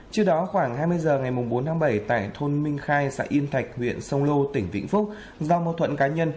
trước đó khoảng hai mươi h ngày bốn bảy tại thôn minh khai xã yên thạch huyện sông lô tỉnh bình phước do mâu thuận cá nhân